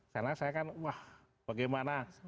karena saya kan wah bagaimana